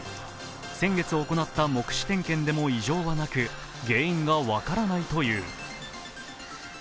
先月行った目視点検でも異常はなく原因が分からないという。